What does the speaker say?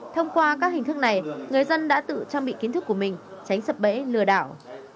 thông qua các hình thức này người dân đã tự trang bị kiến thức của mình tránh sập bẫy lừa đảo